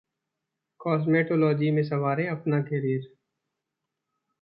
cosmetology में संवारे अपना करियर